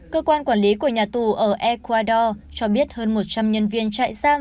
cơ quan quản lý của nhà tù ở ecuador cho biết hơn một trăm linh nhân viên trại giam